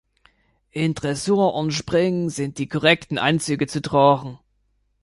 In Dressur und Springen sind die korrekten Anzüge zu tragen.